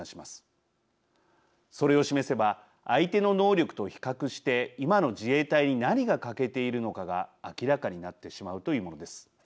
それを示せば相手の能力と比較して今の自衛隊に何が欠けているのかが明らかになってしまうというものです。